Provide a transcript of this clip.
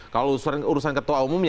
kalau urusan ketua umum ya